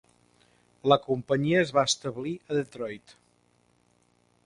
La companyia es va establir a Detroit.